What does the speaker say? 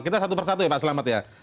kita satu persatu ya pak selamat ya